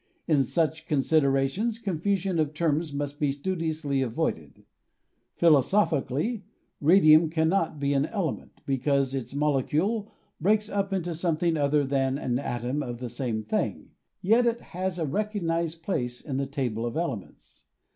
In such considera tions confusion of terms must be studiously avoided. Philosophically, radium cannot be an element, because its molecule breaks up into something other than an atom of the same thing, yet it has a recognized place in the INTRODUCTION xvii table of elements.